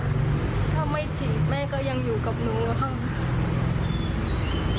ถ้าไม่ฉีดแม่ก็ยังอยู่กับหนูนะคะ